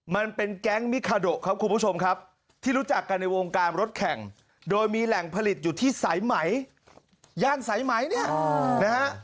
มันเป็นแก๊งมิคาโดครับคุณผู้ชมครับที่รู้จักกันในวงการรถแข่งโดยมีแหล่งผลิตอยู่ที่สายไหมย่านสายไหมเนี่ยนะฮะ